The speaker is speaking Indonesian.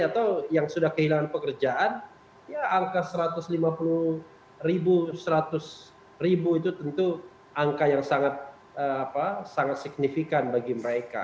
atau yang sudah kehilangan pekerjaan ya angka satu ratus lima puluh ribu seratus ribu itu tentu angka yang sangat signifikan bagi mereka